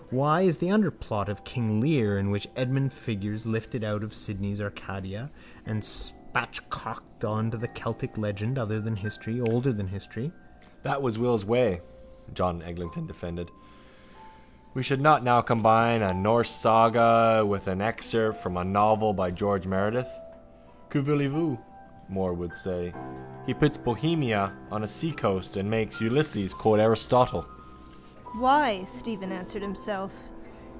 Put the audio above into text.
Why is the underplot of King Lear in which Edmund figures lifted out of Sidney's Arcadia and spatchcocked on to a Celtic legend older than history? —That was Will's way, John Eglinton defended. We should not now combine a Norse saga with an excerpt from a novel by George Meredith. Que voulez vous? Moore would say. He puts Bohemia on the seacoast and makes Ulysses quote Aristotle. —Why? Stephen answered himself.